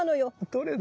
どれだ？